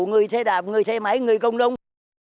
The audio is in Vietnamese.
người xe đạp người xe máy người công đông